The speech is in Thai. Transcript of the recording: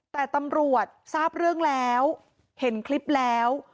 แต่ตำรวจทราบเรื่องแล้วเห็นคลิปแล้ว